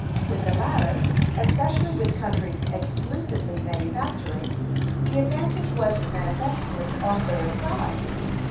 With the latter, especially with countries exclusively manufacturing, the advantage was manifestly on their side.